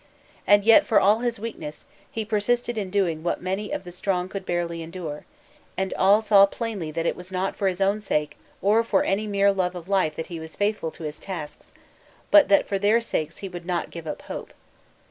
And yet, for all his weakness, he persisted in doing what many of the strong could barely endure, and all saw plainly that it was not for his own sake or for any mere love of life that he was faithful to his tasks, but that for their sakes he would not give up hope.